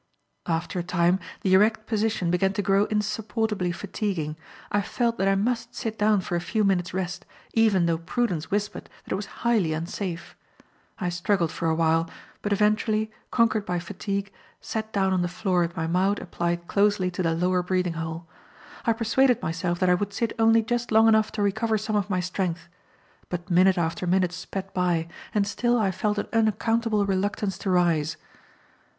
After a time, the erect position began to grow insupportably fatiguing. I felt that I must sit down for a few minutes' rest, even though prudence whispered that it was highly unsafe. I struggled for awhile, but eventually, conquered by fatigue, sat down on the floor with my mouth applied closely to the lower breathing hole. I persuaded myself that I would sit only just long enough to recover some of my strength, but minute after minute sped by and still I felt an unaccountable reluctance to rise.